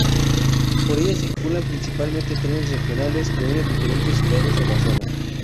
Por ella circulan principalmente trenes regionales que unen diferentes ciudades de la zona.